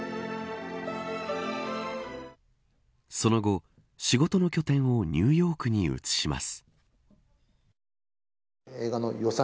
その後、仕事の拠点をニューヨークに移します。